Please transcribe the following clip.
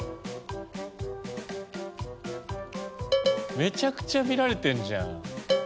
めちゃくちゃ見られてんじゃん。